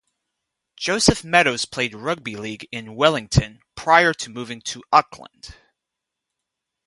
Joseph Meadows played rugby league in Wellington prior to moving to Auckland.